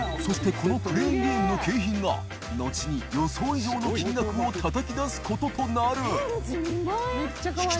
このクレーンゲームの景品が里舛予想以上の金額をたたき出すこととなる森川）